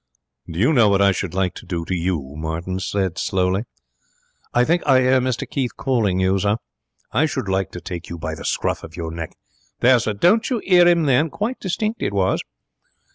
'Do you know what I should like to do to you?' said Martin slowly. 'I think I 'ear Mr Keith calling you, sir.' 'I should like to take you by the scruff of your neck and ' 'There, sir! Didn't you 'ear 'im then? Quite distinct it was.'